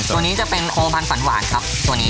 ตัวนี้จะเป็นโอพันธ์สันหวานครับตัวนี้